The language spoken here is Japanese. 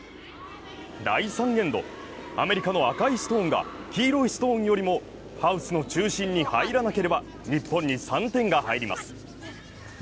第３エンド、アメリカの赤いストーンが黄色いストーンよりもハウスの中心に入らなければ日本に３点が入ります。